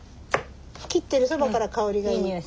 切ってるそばから香りがいい。